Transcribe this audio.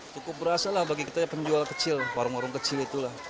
cukup berasa lah bagi kita penjual kecil warung warung kecil itu lah